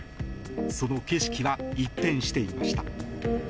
その景色は一変していました。